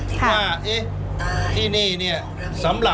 คุณต้องไปคุยกับทางเจ้าหน้าที่เขาหน่อย